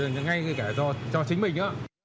ngay cả cho chính mình nữa